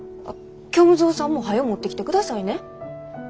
あっ虚無蔵さんもはよ持ってきてくださいね。